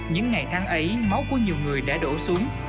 những ngày tháng ấy máu của nhiều người đã đổ xuống